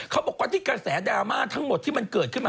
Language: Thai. เขาบอกว่าที่กระแสดราม่าทั้งหมดที่มันเกิดขึ้นมา